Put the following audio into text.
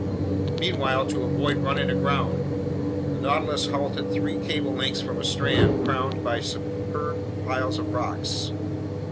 Meanwhile, to avoid running aground, the Nautilus halted three cable lengths from a strand crowned by superb piles of rocks.